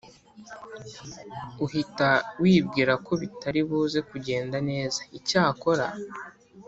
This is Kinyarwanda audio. uhita wibwira ko bitari buze kugenda neza Icyakora